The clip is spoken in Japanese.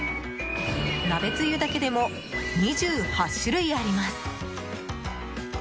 鍋つゆだけでも２８種類あります。